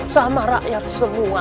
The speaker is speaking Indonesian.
sama rakyat semua